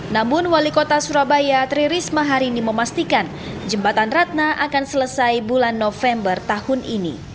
namun wali kota surabaya tririsma harini memastikan jembatan ratna akan selesai bulan november tahun ini